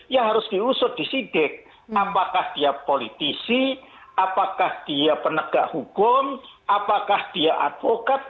ya harus diusur di sidik apakah dia politisi apakah dia penegak hukum apakah dia advokat